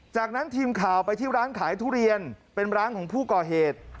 จากนั้นทีมข่าวไปที่ร้านขายทุเรียนเป็นร้านของผู้ก่อเหตุ